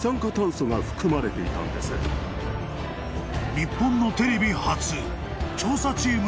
［日本のテレビ初］